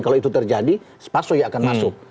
kalau itu terjadi spaso ya akan masuk